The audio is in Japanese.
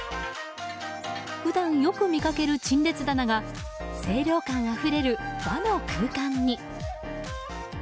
普段よく見かける陳列棚が清涼感あふれる和の空間に。